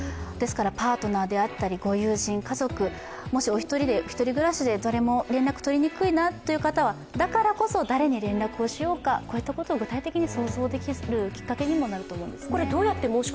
パートナーであったりご友人、家族、もし１人暮らしで誰も連絡とりにくいなということならだからこそ誰に連絡をとるのか、こういったことを具体的に想像できるきっかけにもなると思うんですね